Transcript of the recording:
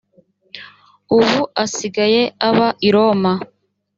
ubu asigaye aba i roma